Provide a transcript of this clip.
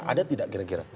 ada tidak kira kira